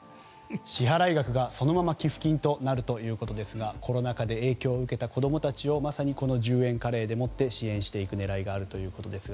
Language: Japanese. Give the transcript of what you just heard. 支払額がそのまま寄付金となるということですがコロナ禍で影響を受けた子供たちを１０円カレーで支援していく狙いがあるということです。